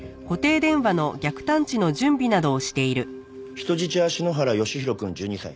人質は篠原吉宏くん１２歳。